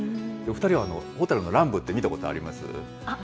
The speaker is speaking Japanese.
２人はホタルの乱舞って見たことあります？